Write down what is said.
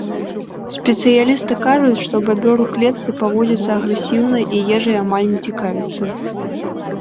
Спецыялісты кажуць, што бабёр у клетцы паводзіцца агрэсіўна і ежай амаль не цікавіцца.